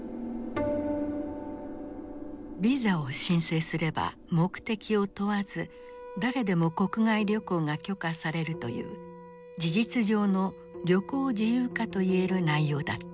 ビザを申請すれば目的を問わず誰でも国外旅行が許可されるという事実上の旅行自由化といえる内容だった。